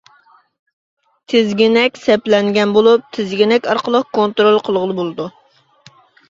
تىزگىنەك سەپلەنگەن بولۇپ تىزگىنەك ئارقىلىق كونترول قىلغىلى بولىدۇ.